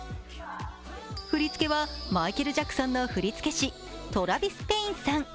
振り付けはマイケル・ジャクソンの振り付け師、トラヴィス・ペインさん。